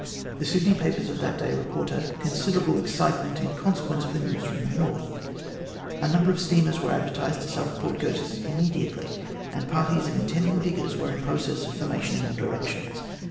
The Sydney papers of that day report "considerable excitement in consequence of the news from the North." A number of steamers were advertised to sail for Port Curtis immediately, and parties of intending diggers were in process of formation in all directions.